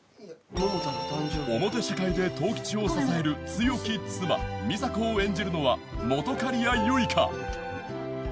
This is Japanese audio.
表社会で十吉を支える強き妻美沙子を演じるのは本仮屋ユイカ